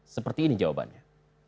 seperti ini jawabannya